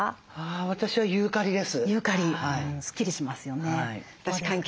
私はユーカリです。